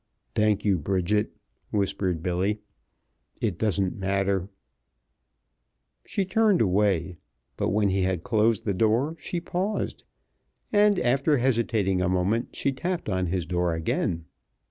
"Thank you, Bridget," whispered Billy. "It doesn't matter." She turned away, but when he had closed the door she paused, and after hesitating a moment she tapped on his door again.